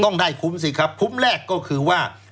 ต้องได้คุ้มคุ้มแรกก็คือว่า